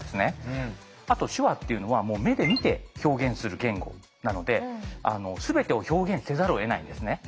あと手話っていうのは目で見て表現する言語なので全てを表現せざるをえないんですね。